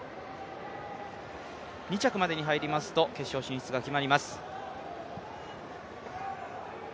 ２着までに入りますと、決勝進出が決まります。